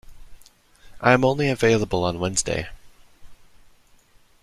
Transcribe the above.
I am only available on Wednesday.